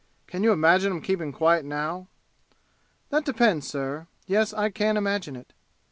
Can you imagine 'em keeping quiet now?" "That depends, sir. Yes, I can imagine it."